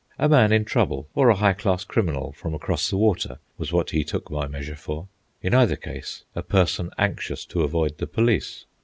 A man in trouble, or a high class criminal from across the water, was what he took my measure for—in either case, a person anxious to avoid the police.